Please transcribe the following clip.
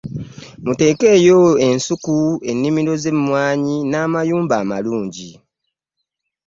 Muteekeyo ensuku, ennimiro z'emmwanyi n'amayumba amalungi.